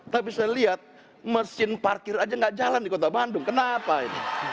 tapi saya lihat mesin parkir aja nggak jalan di kota bandung kenapa ini